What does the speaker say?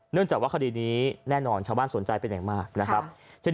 เนื่องจากว่าคดีนี้ผู้ชาวบ้านสนใจเป็นไงมาก